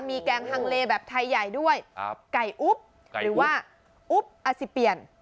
มีแกงฮังเลแบบไทยใหญ่ด้วยไก่อุ๊บหรือว่าอุ๊บอาซิเปียน